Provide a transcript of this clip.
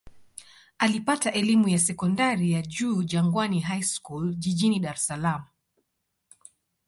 Alipata elimu ya sekondari ya juu Jangwani High School jijini Dar es Salaam.